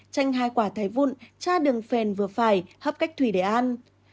chanh hai quả thái vụn cha đường phền vừa phải hấp cách thủy để ăn